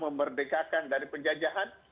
memerdekakan dari penjajahan